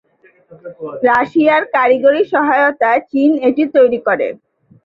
রাশিয়ার কারিগরি সহায়তায় চীন এটি তৈরি করে।